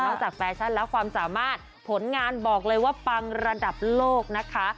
จากแฟชั่นแล้วความสามารถผลงานบอกเลยว่าปังระดับโลกนะคะ